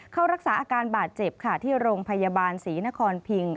เข้ารักษาอาการบาดเจ็บค่ะที่โรงพยาบาลศรีนครพิง